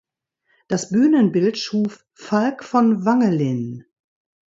Das Bühnenbild schuf Falk von Wangelin.